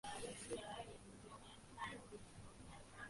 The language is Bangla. এরূপ মহাত্মার দয়া যখন তুমি পাইয়াছ, তখন তুমি অতি সৌভাগ্যবান।